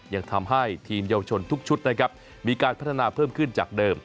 ยังทำให้ทีมเยาวชนทุกชุดนะครับมีการพัฒนาเพิ่มขึ้นจากเดิม